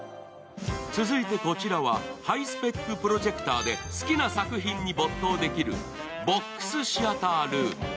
続いて、こちらはハイスペックプロジェクターで好きな作品に没頭できる、ボックスシアタールーム。